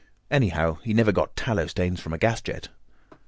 Anyhow, he never got tallow stains from a gas jet.